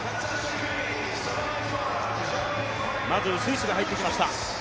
まずスイスが入ってきました。